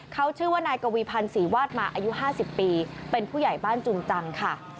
เขาชื่อว่านายกวีพันธ์ศรีวาดมาอายุ๕๐ปีเป็นผู้ใหญ่บ้านจุงจังค่ะ